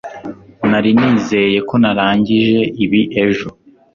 nari nizeye ko narangije ibi ejo